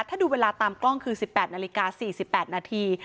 ถ้าดูเวลาตามกล้องคือ๑๘นาฬิกา๔๘นาที